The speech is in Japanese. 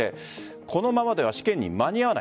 このままでは試験に間に合わない。